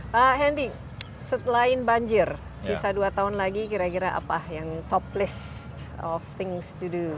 pak hendy setelah banjir sisa dua tahun lagi kira kira apa yang top list of things to do